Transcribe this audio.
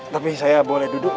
tapi saya boleh duduk